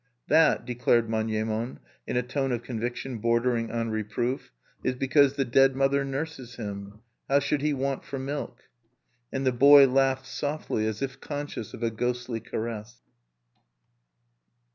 "That," declared Manyemon, in a tone of conviction bordering on reproof, "is because the dead mother nurses him. How should he want for milk?" And the boy laughed softly, as if conscious of a ghostly caress.